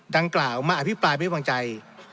ดังกล่าวมาอภิปราบิวังใจ